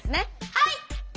はい！